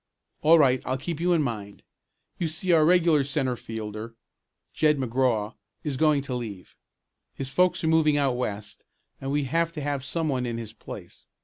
"All right, I'll keep you in mind. You see our regular centre fielder, Jed McGraw, is going to leave. His folks are moving out west and we'll have to have some one in his place.